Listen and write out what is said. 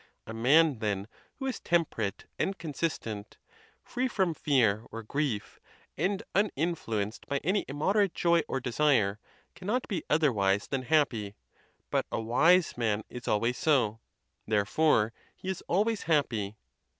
A man, then, who is temperate and consistent, free from fear or WHETHER VIRTUE ALONE BE SUFFICIENT. 181 grief, and uninfluenced by any immoderate joy or desire, cannot be otherwise than happy; but a wise man is always so, therefore he is always happy.